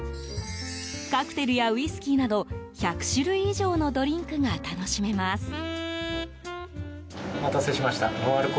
カクテルやウイスキーなど１００種類以上のドリンクが楽しめます。